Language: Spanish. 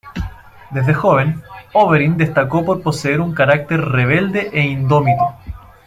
Desde joven, Oberyn destacó por poseer un carácter rebelde e indómito.